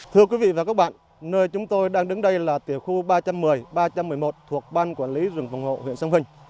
thưa quý vị và các bạn nơi chúng tôi đang đứng đây là tiểu khu ba trăm một mươi ba trăm một mươi một thuộc ban quản lý rừng phòng hộ huyện sông hình